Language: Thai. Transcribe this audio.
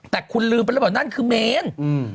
แต่คุณลืมไปแล้วบอกนั่นคือเมน